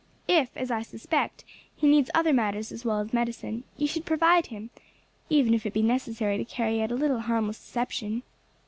If, as I suspect, he needs other matters as well as medicine, you should provide him, even if it be necessary to carry out a little harmless deception."